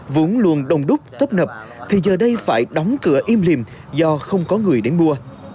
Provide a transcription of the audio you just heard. vốn luôn đông đúc tấp nập thì giờ đây phải đóng cửa im lìm do không có người đến mua